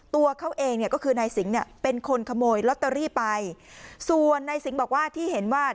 ตัวเขาเองเนี่ยก็คือนายสิงห์เนี่ยเป็นคนขโมยลอตเตอรี่ไปส่วนนายสิงห์บอกว่าที่เห็นว่า